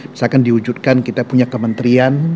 misalkan diwujudkan kita punya kementerian